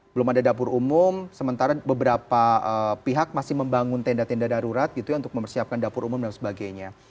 belum ada dapur umum sementara beberapa pihak masih membangun tenda tenda darurat gitu ya untuk mempersiapkan dapur umum dan sebagainya